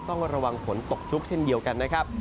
ต้องระวังฝนตกชุกเช่นเดียวกันนะครับ